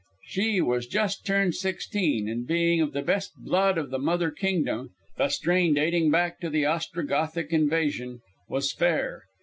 She was just turned sixteen, and being of the best blood of the mother kingdom (the strain dating back to the Ostrogothic invasion), was fair.